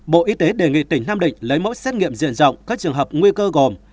bộ y tế đề nghị tỉnh nam định lấy mẫu xét nghiệm diện rộng các trường hợp nguy cơ gồm